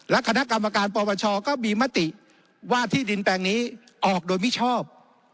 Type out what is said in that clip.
และคณะกรรมการปปชก็มีมติว่าที่ดินแปลงนี้ออกโดยมิชอบ